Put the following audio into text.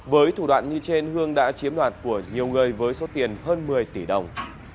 với thủ đoạn như trên hương đã chiếm đoạt của nhiều người với số tiền hơn một mươi tỷ đồng